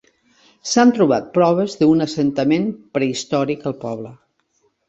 S'han trobat proves d'un assentament prehistòric al poble.